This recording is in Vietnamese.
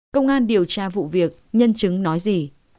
công an điều tra vụ việc nhân chứng nói gì